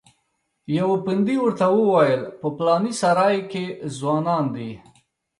یوه پندي ورته وویل په پلانې سرای کې ځوانان دي.